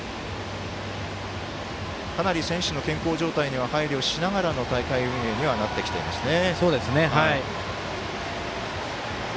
かなり、選手の健康状態には配慮しながらの大会運営にはなっていますね。